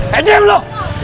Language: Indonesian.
hei diam lu